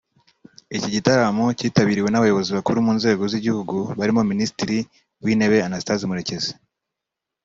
Iki gitaramo cyitabiriwe n’abayobozi bakuru mu nzego z’igihugu barimo Minisitiri w’Intebe Anastase Murekezi